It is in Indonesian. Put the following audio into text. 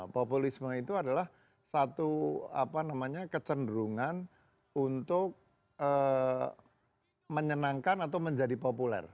populisme itu adalah satu kecenderungan untuk menyenangkan atau menjadi populer